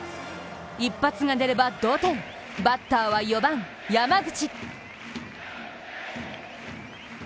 一発が出れば同点、バッターは４番・山口。